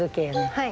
はい。